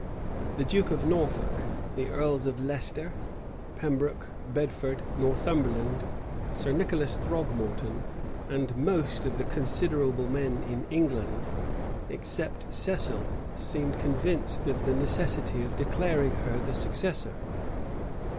The duke of Norfolk, the earls of Leicester, Pembroke, Bedford, Northumberland, Sir Nicholas Throgmorton, and most of the considerable men in England, except Cecil, seemed convinced of the necessity of declaring her the successor.